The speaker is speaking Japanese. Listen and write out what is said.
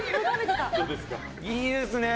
いいですね。